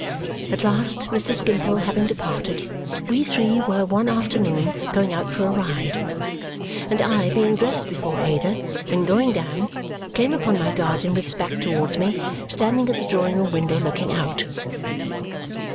At last, Mr. Skimpole having departed, we three were one afternoon going out for a ride; and I, being dressed before Ada and going down, came upon my guardian, with his back towards me, standing at the drawing room window looking out.